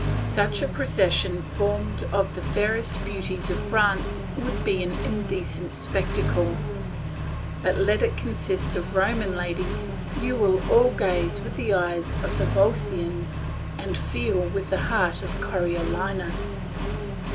Such a procession formed of the fairest beauties of France would be an indecent spectacle; but let it consist of Roman ladies, you will all gaze with the eyes of the Volscians and feel with the heart of Coriolanus.